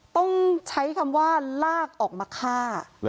ต้องใช้คำว่าลากออกมาฆ่า